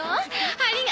ありが。